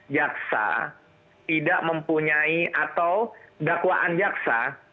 jaksa tidak mempunyai atau dakwaan jaksa